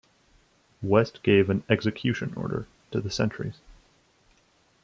West gave an execution order to the sentries.